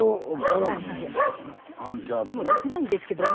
でもできないんですけどね。